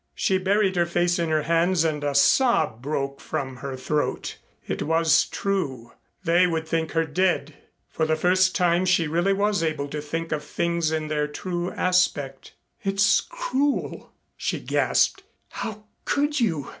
She buried her face in her hands and a sob broke from her throat. It was true. They would think her dead. For the first time she really was able to think of things in their true aspect. "It's cruel," she gasped. "How could you!"